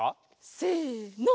せの。